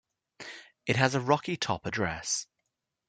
It has a Rocky Top address.